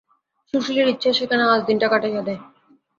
সুশীলের ইচ্ছা, সেইখানেই আজ দিনটা কাটাইয়া দেয়।